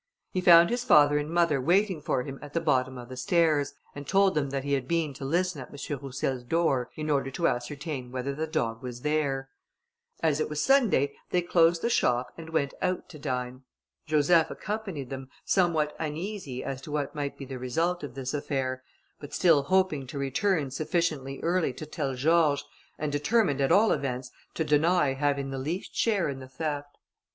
He found his father and mother waiting for him at the bottom of the stairs, and told them that he had been to listen at M. Roussel's door in order to ascertain whether the dog was there. As it was Sunday, they closed the shop, and went out to dine. Joseph accompanied them, somewhat uneasy as to what might be the result of this affair, but still hoping to return sufficiently early to tell George, and determined, at all events, to deny having the least share in the theft.